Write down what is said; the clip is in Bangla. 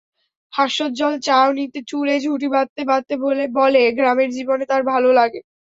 হাস্যোজ্জ্বল চায়ানিত চুলে ঝুঁটি বাঁধতে বাঁধতে বলে, গ্রামের জীবনে তার ভালো লাগে।